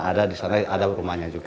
ada di sana ada rumahnya juga